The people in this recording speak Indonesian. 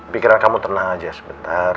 pikiran kamu tenang aja sebentar